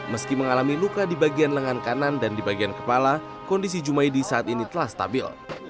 meski mengalami luka di bagian lengan kanan dan di bagian kepala kondisi jumaidi saat ini telah stabil